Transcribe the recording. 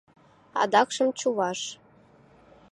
Адакшым чуваш.